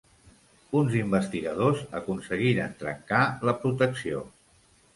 Uns investigadors aconseguiren trencar la protecció.